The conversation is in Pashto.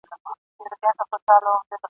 چي ته نه کړې اندېښنه زما د زامنو ..